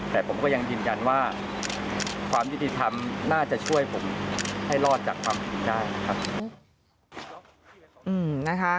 แต่ผมก็ยังยืนยันว่าความยุติธรรมน่าจะช่วยผมให้รอดจากความผิดได้นะครับ